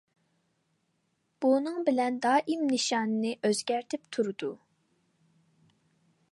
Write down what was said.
بۇنىڭ بىلەن دائىم نىشانىنى ئۆزگەرتىپ تۇرىدۇ.